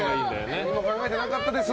何も考えてなかったです！